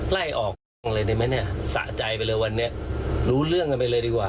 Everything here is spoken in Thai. ไล่ออกอะไรเลยหน่อยนี่บ้างเนี่ยสะใจไปเลยวันนี้รู้เรื่องไปเลยดีกว่า